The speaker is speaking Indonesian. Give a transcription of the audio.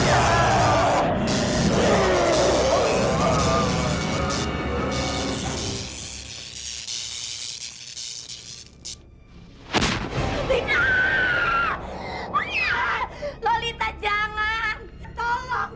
jadi siapa yang topikku nih yang ngerjain